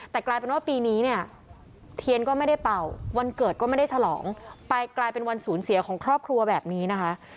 แต่กลายเป็นว่าปีนี้เนี่ยเทียนก็ไม่ได้เป่าวันเกิดก็ไม่ได้ฉลองไปกลายเป็นวันสูญเสียของครอบครัวแบบนี้นะคะ